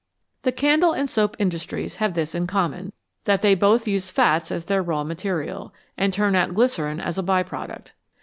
The candle and soap industries have this in common, 246 FATS AND OILS that they both use fats as their raw material, and turn out glycerine as a by product.